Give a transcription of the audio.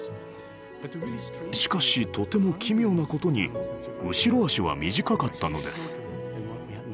しかしとても奇妙なことに後ろ足は短かったのです。